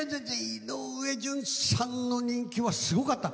井上順さんの人気はすごかった。